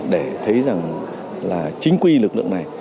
để thấy rằng là chính quy lực lượng này